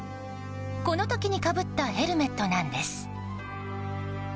この時にかぶったヘルメットなんです。